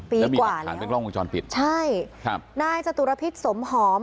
ปีกว่าแล้วใช่น่าจะตุรพิษสมหอม